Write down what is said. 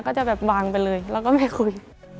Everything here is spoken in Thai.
ก็จะแบบวางไปเลยแล้วก็ไม่คุย